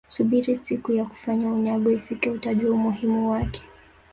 subiri siku ya kufanyiwa unyago ifike utajua umuhimu wake